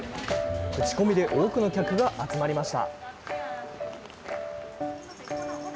口コミで多くの客が集まりました。